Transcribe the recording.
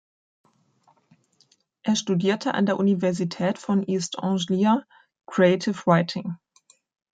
Er studierte an der Universität von East Anglia "Creative Writing".